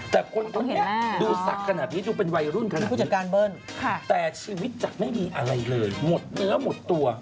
แต่คนดูสักขนาดนี้ดูเป็นวัยรุ่นขนาดนี้แต่ชีวิตจะไม่มีอะไรเลยหมดเนื้อหมดตัว